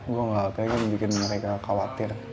gue gak pengen bikin mereka khawatir